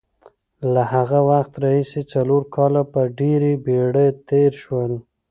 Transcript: له هغه وخته راهیسې څلور کاله په ډېرې بېړې تېر شول.